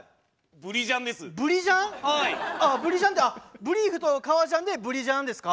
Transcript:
ブリジャンって「ブリーフ」と「革ジャン」で「ブリジャン」ですか？